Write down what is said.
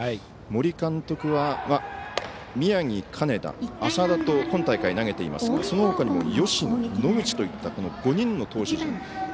森監督は宮城、金田、浅田と今大会投げていますがそのほかにも芳野、野口といった５人の投手陣。